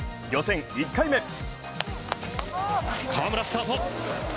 予選１回目